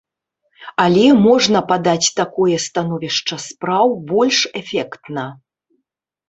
Але можна падаць такое становішча спраў больш эфектна.